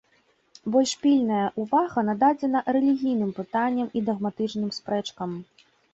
Больш пільная ўвага нададзена рэлігійным пытанням і дагматычным спрэчкам.